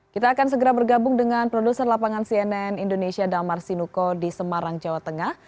kita akan segera bergabung dengan produser lapangan cnn indonesia damar sinuko di semarang jawa tengah